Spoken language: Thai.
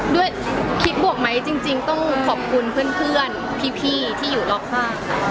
ด้วยคิดบวกไหมจริงต้องขอบคุณเพื่อนพี่ที่อยู่รอบข้าง